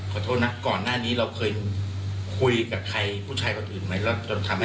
ขอโทษนะก่อนหน้านี้เราเคยคุยกับใครผู้ชายพวกอื่นไหม